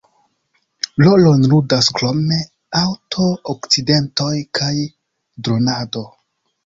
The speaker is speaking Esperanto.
Rolon ludas krome aŭto-akcidentoj kaj dronado.